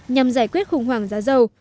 nhằm giải quyết khủng hoảng giá dầu